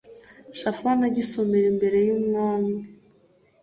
shafani agisomera imbere y umwami